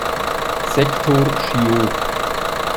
Sektor Schio.